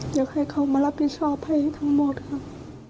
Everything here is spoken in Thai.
อยากให้เขามารับผิดชอบให้ทั้งหมดครับ